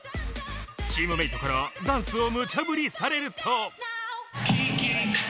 チームメートからダンスをムチャぶりされると・・・。